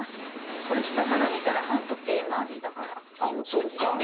これ下から見たら反時計まわりだからということでしょうね。